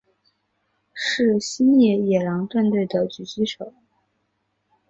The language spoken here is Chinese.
是星际野狼队的狙击手。